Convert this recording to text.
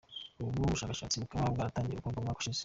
Ubu bushakashatsi bukaba bwaratangiye gukorwa umwaka ushize.